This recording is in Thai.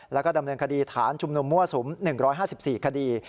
แล้วก็ดำเนินคดีฐานชุมนุมมั่วสุม๑๕๔คดี